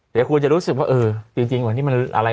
เดี๋ยวคุณจะรู้สึกว่าเออจริงวันนี้มันอะไร